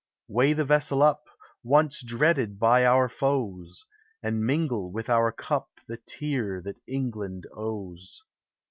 Weigh the vessel up, Once dreaded by our foes! And mingle with our cup The tear that England owes.